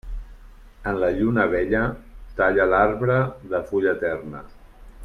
En la lluna vella, talla l'arbre de fulla eterna.